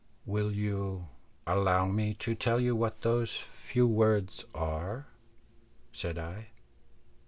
"Will you allow me to tell you what those few words are?" said I.